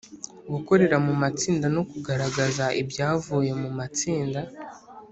gukorera mu matsinda no kugaragaza ibyavuye mu matsinda